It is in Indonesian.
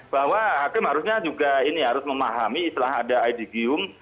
bahwa hakim harusnya juga ini harus memahami istilah ada idgium